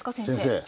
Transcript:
先生。